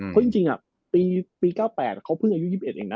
เพราะจริงปี๙๘เขาเพิ่งอายุ๒๑เองนะ